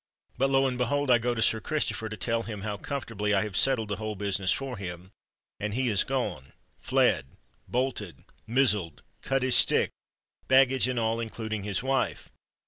But, lo and behold! I go to Sir Christopher to tell him how comfortably I have settled the whole business for him—and he is gone—fled—bolted—mizzled—cut his stick—baggage and all, including his wife!"